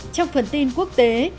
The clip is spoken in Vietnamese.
trong phần tin quốc tế